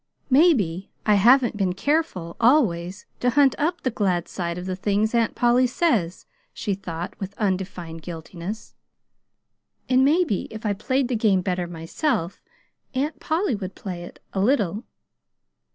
"Maybe I haven't been careful, always, to hunt up the glad side of the things Aunt Polly says," she thought with undefined guiltiness; "and maybe if I played the game better myself, Aunt Polly would play it a little.